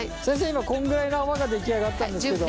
今こんぐらいの泡が出来上がったんですけど。